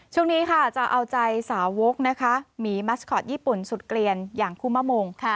ช่วงนี้ค่ะจะเอาใจสาวกนะคะหมีมัสคอตญี่ปุ่นสุดเกลียนอย่างคุมะมง